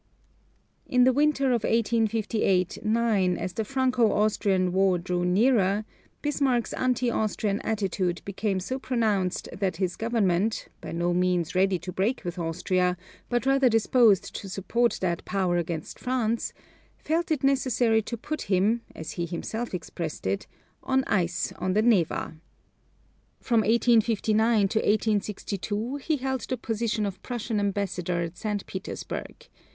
[Illustration: BISMARCK] In the winter of 1858 9, as the Franco Austrian war drew nearer, Bismarck's anti Austrian attitude became so pronounced that his government, by no means ready to break with Austria, but rather disposed to support that power against France, felt it necessary to put him, as he himself expressed it, "on ice on the Neva." From 1859 to 1862 he held the position of Prussian ambassador at St. Petersburg.